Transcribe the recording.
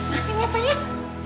ya hatinya banyak